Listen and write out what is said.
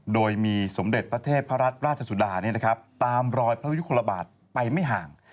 โดยมีสมเด็จพระเจ้าพระราชราชสุดาเนี่ยนะครับตามรอยพระวิทยุคนละบาทไปไม่ห่าง